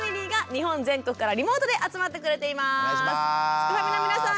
すくファミの皆さん